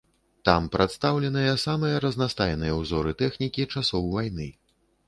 Там прадстаўленыя самыя разнастайныя ўзоры тэхнікі часоў вайны.